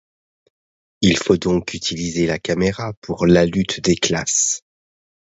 Il faut donc utiliser la caméra pour la lutte des classes.